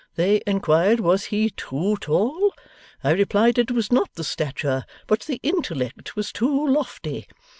They inquired was he too tall? I replied it was not the stature, but the intellect was too lofty.